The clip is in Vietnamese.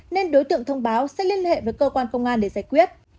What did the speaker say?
nên đối tượng thông báo sẽ liên hệ với cơ quan công an để giải quyết